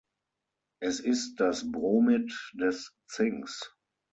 Es ist das Bromid des Zinks.